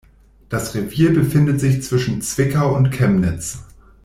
Das Revier befindet sich zwischen Zwickau und Chemnitz.